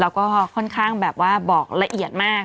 แล้วก็ค่อนข้างแบบว่าบอกละเอียดมาก